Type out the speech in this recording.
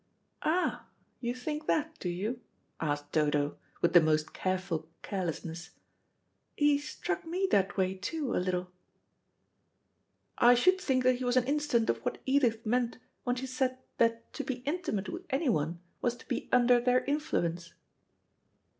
"Ah, you think that, do you?" asked Dodo, with the most careful carelessness. "He struck me that way, too, a little." "I should think he was an instance of what Edith meant when she said that to be intimate with anyone was to be under their influence."